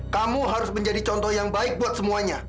kamu harus menjadi contoh yang baik buat semuanya